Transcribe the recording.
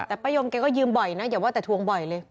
แต่ป้ายมแกก็ยืมบ่อยนะอย่าว่าแต่ทวงบ่อยเลย